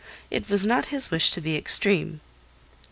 It was not his wish to be extreme.